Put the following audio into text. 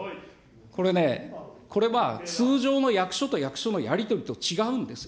これね、これは通常の役所と役所のやり取りと違うんですよ。